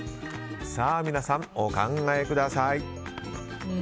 さあ、皆さん、お考えください。